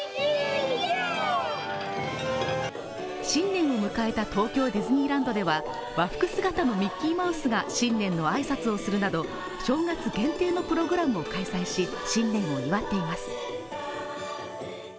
新年を迎えた東京ディズニーランドでは和服姿のミッキーマウスが新年の挨拶をするなど正月限定のプログラムを開催し新年を祝っています。